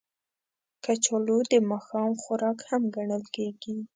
کچالو د ماښام خوراک هم ګڼل کېږي